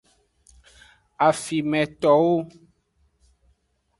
Afimetowo.